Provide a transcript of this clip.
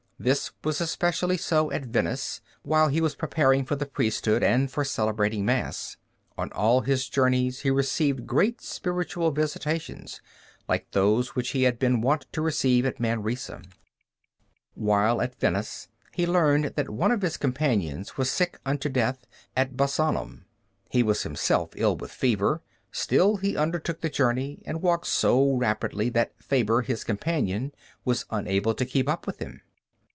This was especially so at Venice, while he was preparing for the priesthood and for celebrating Mass. On all his journeys, he received great supernatural visitations, like those which he had been wont to receive at Manresa. While still at Venice he learned that one of his companions was sick unto death at Bassanum. He was himself ill with fever, still he undertook the journey, and walked so rapidly that Faber, his companion, was unable to keep up with him.